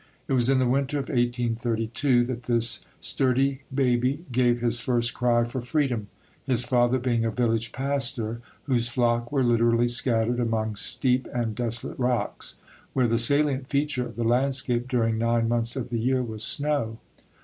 It was in the winter of 1832 that this sturdy baby gave his first cry for freedom, his father being a village pastor, whose flock were literally scattered among steep and desolate rocks, where the salient feature of the landscape during nine months of the year was snow.